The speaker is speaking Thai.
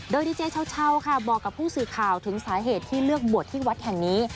โดยดีเจเช่าค่ะบอกกับผู้สื่อข่าวถึงสาเหตุที่เลือกบวชที่วัดแห่งนี้